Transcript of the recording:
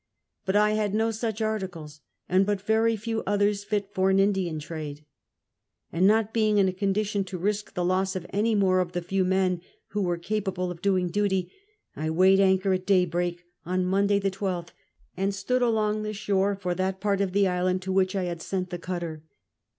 But T had no such articles, and but very few others fit for an Indian trade ; and not being in a condition to risk the loss of any more of the few men who were capable of doing duty, I weighed anchor at daybreak on Monday the 12th, and stood along the shore for that part of the island to which I had sent the cutter.